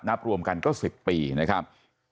นับรวมกันก็๑๐ปีนะครับ